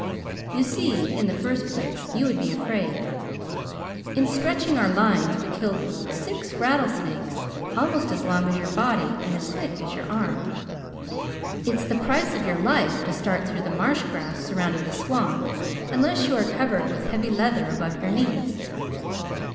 "You see, in the first place, you would be afraid. In stretching our lines, we killed six rattlesnakes almost as long as your body and as thick as your arm. It's the price of your life to start through the marshgrass surrounding the swamp unless you are covered with heavy leather above your knees.